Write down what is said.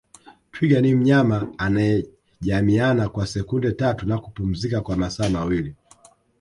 Twiga ni mnyama anayejamiiana kwa sekunde tatu na kupumzika kwa masaa mawili